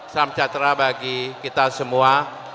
salam sejahtera bagi kita semua